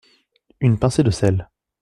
Une pincée de sel.